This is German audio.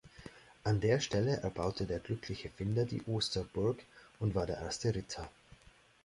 An der Stelle erbaute der glückliche Finder die Osterburg und war der erste Ritter.